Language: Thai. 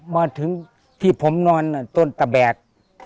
มาถึงที่ผมนอนต้นตะแบก